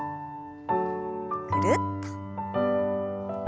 ぐるっと。